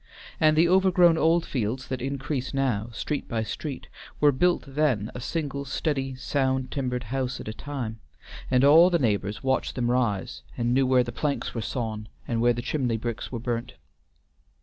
And the overgrown Oldfields that increase now, street by street, were built then a single steady sound timbered house at a time, and all the neighbors watched them rise, and knew where the planks were sawn, and where the chimney bricks were burnt.